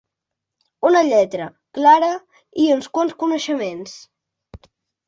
Una lletra, clara, i uns quants coneixements